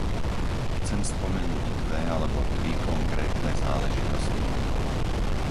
Chcem spomenúť dve alebo tri konkrétne záležitosti.